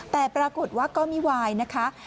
แต่ปรากฏว่าก็ไม่วายนะคะ